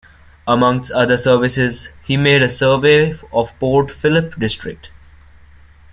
Amongst other services, he made a survey of Port Phillip District.